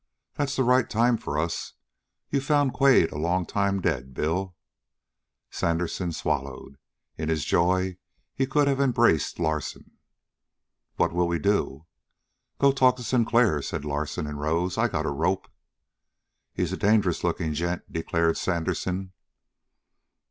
"That's the right time for us. You found Quade a long time dead, Bill." Sandersen swallowed. In his joy he could have embraced Larsen. "What'll we do?" "Go talk to Sinclair," said Larsen and rose. "I got a rope." "He's a dangerous lookin' gent," declared Sandersen.